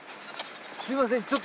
すみません